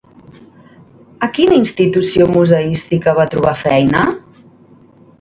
A quina institució museística va trobar feina?